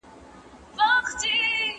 آیا مثلث تر مستطیل کمي زاویې لري؟